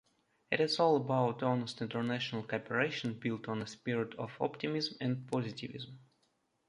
It is all about honest international cooperation built on a spirit of optimism and positivism.